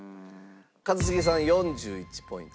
一茂さん４１ポイント。